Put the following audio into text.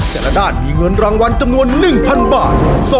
แต่ละด้านมีเงินรางวัลจำนวน๑๐๐บาท